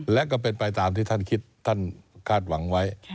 และก็เป็นไปตามที่ท่านคิดท่านคาดหวังไว้